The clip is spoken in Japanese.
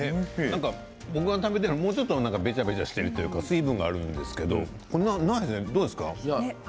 僕が食べているのはもうちょっとべたべたしているというか水分があるんですけれども、どうですか。